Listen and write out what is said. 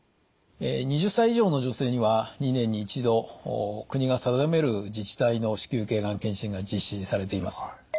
２０歳以上の女性には２年に１度国が定める自治体の子宮頸がん検診が実施されています。